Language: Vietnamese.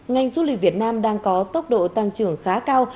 ngành du lịch việt nam đang có tốc độ tăng trưởng khá cao